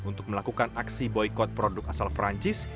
untuk melakukan aksi boykot produk asal perancis